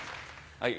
はい。